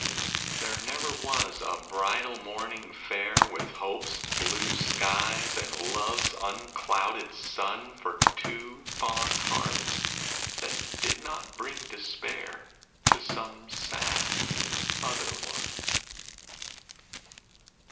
There never was a bridal morning fair With hope's blue skies and love's unclouded sun For two fond hearts, that did not bring despair To some sad other one.